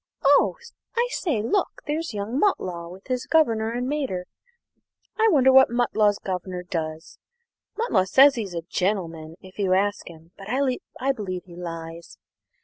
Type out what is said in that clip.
Oh, I say, look! there's young Mutlow and his governor and mater. I wonder what Mutlow's governor does? Mutlow says he's a 'gentleman' if you ask him, but I believe he lies.